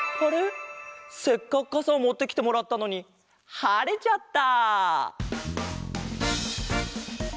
せっかくかさをもってきてもらったのにはれちゃった！